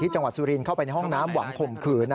ที่จังหวัดสุรีนเข้าไปในห้องน้ำหวังขมขือนะ